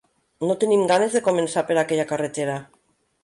No tenim ganes de començar per aquella carretera.